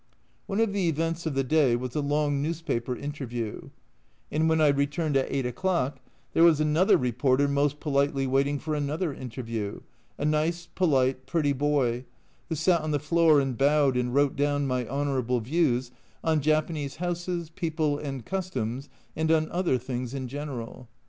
One of the events of the day was a long newspaper interview, and when I returned at 8 o'clock there was another reporter most politely waiting for another interview a nice, polite, pretty boy, who sat on the floor and bowed and wrote down my honourable views on Japanese houses, people, and customs, and on other things in general.